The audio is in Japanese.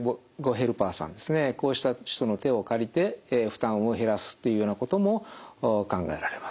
ヘルパーさんですねこうした人の手を借りて負担を減らすっていうようなことも考えられます。